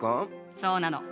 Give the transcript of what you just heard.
そうなの。